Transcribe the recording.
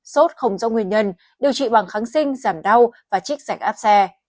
sốt không do nguyên nhân điều trị bằng kháng sinh giảm đau và trích giảnh áp xe